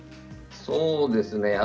そうですね